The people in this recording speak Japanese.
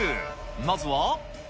まずは。